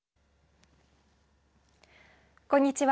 こんにちは。